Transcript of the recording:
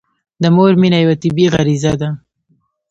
د مور مینه یوه طبیعي غريزه ده.